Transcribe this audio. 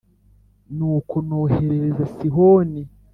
Nuko noherereza Sihoni